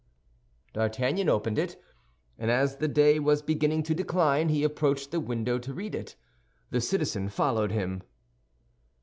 D'Artagnan opened it, and as the day was beginning to decline, he approached the window to read it. The citizen followed him.